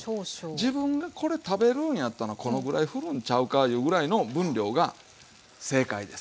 自分がこれ食べるんやったらこのぐらいふるんちゃうかいうぐらいの分量が正解です。